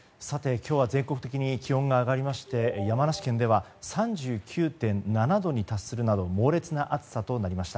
今日は全国的に気温が上がりまして、山梨県では３９．７度に達するなど猛烈な暑さとなりました。